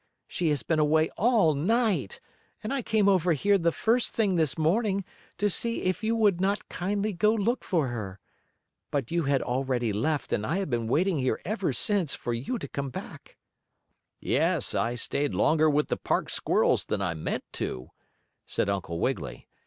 She has been away all night, and I came over here the first thing this morning to see if you would not kindly go look for her. But you had already left and I have been waiting here ever since for you to come back." "Yes, I stayed longer with the park squirrels than I meant to," said Uncle Wiggily.